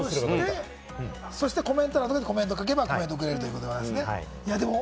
コメント欄にコメントを書けば、コメント送れるということです。